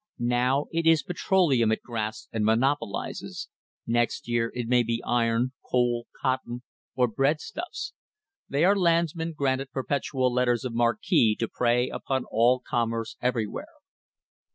Now it is petroleum it grasps and monopolises; next year it may be iron, coal, cotton, or breadstufFs. They are landsmen granted perpetual letters of marque to prey upon all commerce everywhere.